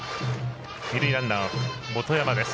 二塁ランナーは元山です。